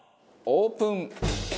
オープン。